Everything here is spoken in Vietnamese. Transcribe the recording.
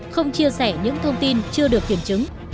không chia sẻ những thông tin chưa được kiểm chứng